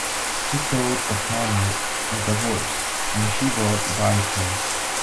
He told O'Connor of the horse, and she bought Biko.